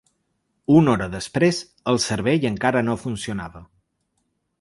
Una hora després, el servei encara no funcionava.